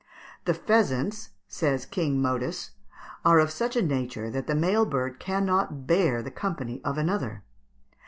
"The pheasants," says "King Modus," "are of such a nature that the male bird cannot bear the company of another."